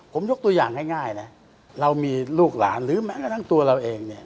ผมยกตัวอย่างง่ายนะเรามีลูกหลานหรือแม้กระทั่งตัวเราเองเนี่ย